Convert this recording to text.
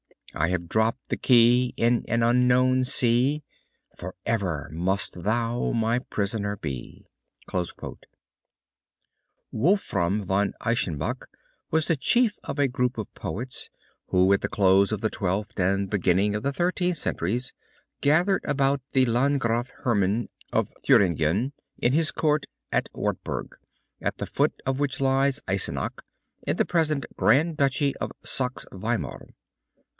I have dropped the key In an unknown sea. Forever must thou my prisoner be! Wolfram von Eschenbach was the chief of a group of poets who at the close of the Twelfth and beginning of the Thirteenth centuries gathered about the Landgraf Hermann of Thuringen in his court on the Wartburg, at the foot of which lies Eisenach, in the present Grand Duchy of Saxe Weimar.